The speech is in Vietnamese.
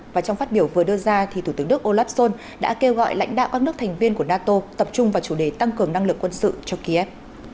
và trong phát biểu vừa đưa ra thủ tướng đức olaf schol đã kêu gọi lãnh đạo các nước thành viên của nato tập trung vào chủ đề tăng cường năng lực quân sự cho kiev